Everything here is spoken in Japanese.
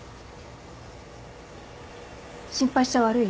心配しちゃ悪い？